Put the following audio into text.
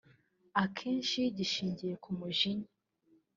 akenshi gishingiye ku mujinya